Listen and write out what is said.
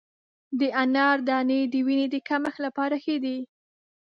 د انار دانې د وینې د کمښت لپاره ښه دي.